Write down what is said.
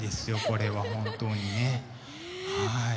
これは本当にねはい。